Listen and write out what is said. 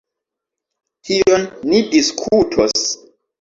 Tion ni diskutos.